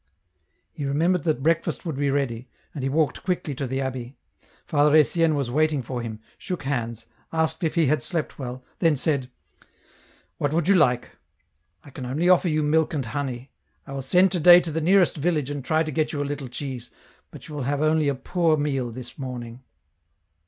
He remembered that breakfast would be ready, and he walked quickly to the abbey. Father Etienne was waiting for him, shook hands, asked if he had slept well, then said :" What would you like ? I can only offer you milk and honey ; I will send to day to the nearest village and try to get you a little cheese, but you will have only a poor meal this morning."